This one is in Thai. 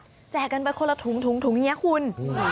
ปรากฏจะกันไปคนละถุงนี้คุณ